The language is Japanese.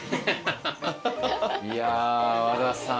いやぁ和田さん